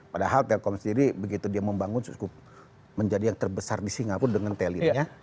padahal telkom sendiri begitu dia membangun cukup menjadi yang terbesar di singapura dengan telinnya